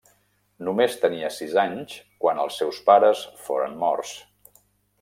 Només tenia sis anys quan els seus pares foren morts.